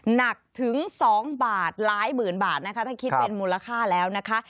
หนักถึง๒บาทหลายหมื่นบาทนะคะถ้าคิดเป็นมูลค่าแล้วนะคะ